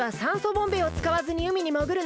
ボンベをつかわずにうみにもぐるの。